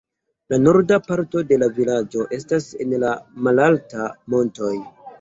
La norda parto de la vilaĝo estas en la malaltaj montoj.